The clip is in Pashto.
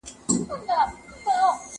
سپورټ بدن او روح کلک ساتي.